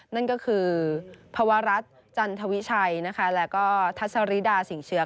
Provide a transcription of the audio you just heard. นั่นก็คือภวรัฐจันทวิชัยนะคะแล้วก็ทัศริดาสิ่งเชื้อ